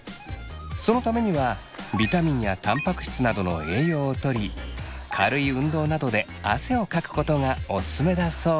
そのためにはビタミンやたんぱく質などの栄養をとり軽い運動などで汗をかくことがオススメだそう。